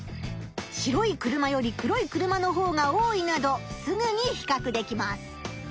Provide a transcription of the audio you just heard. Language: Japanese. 白い車より黒い車のほうが多いなどすぐにひかくできます。